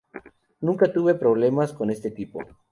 Nunca tuve problemas con este tipo.